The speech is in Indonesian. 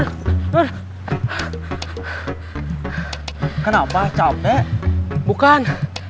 hai kenapa capek bukan